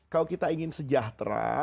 kalau kita ingin sejahtera